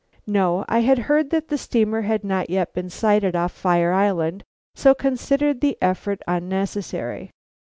"No; I had heard that the steamer had not yet been sighted off Fire Island, so considered the effort unnecessary."